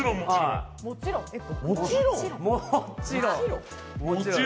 もちろん。